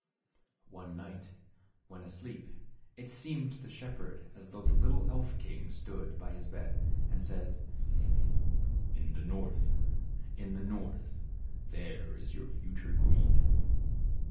One night when asleep it seemed to the shep herd as though the little elf king stood by his bed and said, " In the North, in the North, there is your future queen."